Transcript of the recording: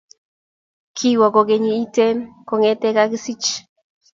kiwo gogonenyi Iten kongete kagisich